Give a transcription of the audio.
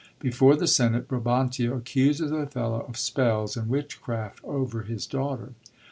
Before the Senate, Brabantio accuses Othello of spells and witchcraft over his daughter.